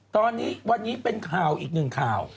ตอนนี้วันนี้เป็นข่าวอีกหนึ่งข่าว